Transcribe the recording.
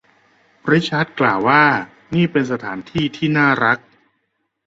ริชาร์ดกล่าวว่านี่เป็นสถานที่ที่น่ารัก